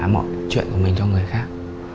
mọi chuyện của mình cho người khác